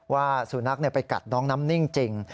ว่าสุนนักเนี่ยไปกัดน้องน้ำนิ่งจริง